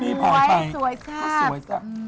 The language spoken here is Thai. พี่เห็นมั้ยสวยสตะ